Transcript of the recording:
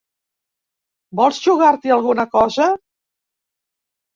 Vols jugar-t'hi alguna cosa?